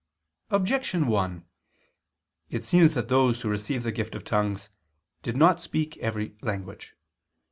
Objection 1: It seems that those who received the gift of tongues did not speak in every language.